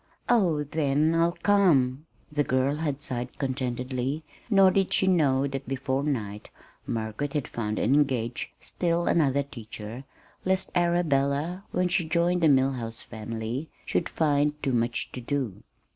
"Oh, then I'll come," the girl had sighed contentedly nor did she know that before night Margaret had found and engaged still another teacher, lest Arabella, when she joined the Mill House family, should find too much to do.